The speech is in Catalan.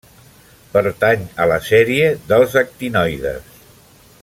Pertany a la sèrie dels actinoides.